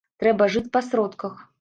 Трэба жыць па сродках.